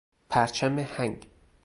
پرچم هنگ